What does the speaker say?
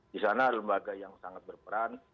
di sana lembaga yang sangat berperan